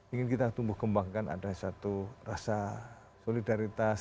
ingin kita tumbuh kembangkan ada satu rasa solidaritas